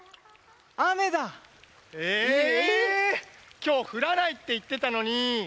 きょうふらないっていってたのに！